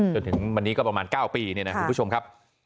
จนถึงวันนี้ก็ประมาณ๙ปีเนี่ยนะคุณผู้ชมครับ